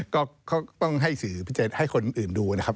ก็ต้องให้สื่อให้คนอื่นดูนะครับ